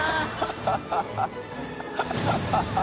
ハハハ